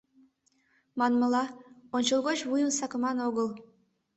Манмыла, ончылгоч вуйым сакыман огыл.